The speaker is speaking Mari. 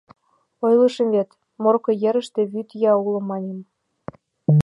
— Ойлышым вет, Морко ерыште вӱд ия уло, маньым.